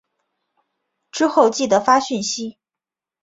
之后记得发讯息